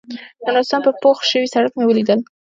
د نورستان په پوخ شوي سړک مې وليدل.